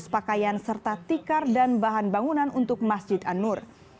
tiga ratus pakaian serta tikar dan bahan bangunan untuk masjid an nur